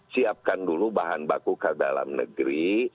siapkan dulu bahan baku ke dalam negeri